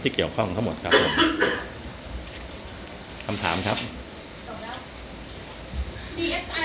ดีเอสไอจากภาษาความพอมอบเพื่อขอตรวจสอบทรัพย์สินวัฒนธรรมกาย